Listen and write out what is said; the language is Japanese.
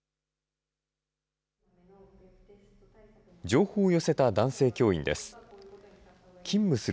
情報を寄せた男性教員です。